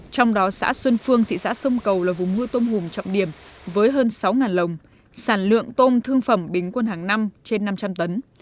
trong đó xã xuân phương thị xã sông cầu là vùng nuôi tôm hùm trọng điểm với hơn sáu lồng sản lượng tôm thương phẩm bình quân hàng năm trên năm trăm linh tấn